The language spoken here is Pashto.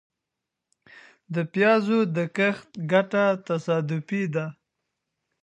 د پيازو د کښت ګټه تصادفي ده .